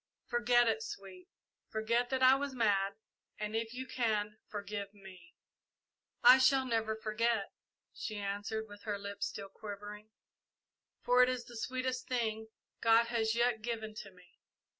Forget it, Sweet, forget that I was mad, and if you can, forgive me!" "I never shall forget," she answered, with her lips still quivering, "for it is the sweetest thing God has yet given to me.